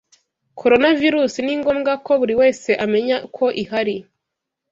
Coronavirus ningombwa ko buri wese amenya ko ihari